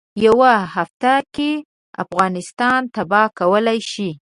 یوه هفته کې افغانستان تباه کولای شي.